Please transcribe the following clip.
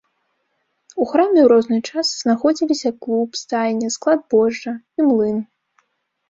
У храме ў розны час знаходзіліся клуб, стайня, склад збожжа і млын.